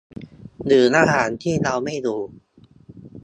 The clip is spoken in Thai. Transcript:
หรือระหว่างที่เราไม่อยู่